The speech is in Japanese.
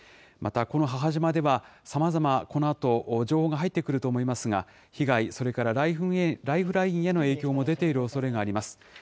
また、この母島ではさまざま、このあと情報が入ってくると思いますが、被害、それからライフラインへの影響も出ているおそれがあります。